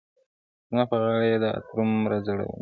• زما په غاړه یې دا تروم را ځړولی -